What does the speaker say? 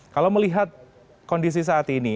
kalau melihat kondisi saat ini